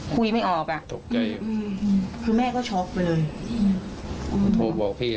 ไม่ออกอ่ะตกใจอืมคือแม่ก็ช็อกไปเลยโทรบอกพี่